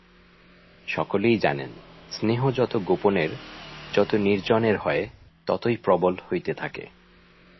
সকলেই জানেন, স্নেহ যত গোপনের, যত নির্জনের হয় ততই প্রবল হইতে থাকে।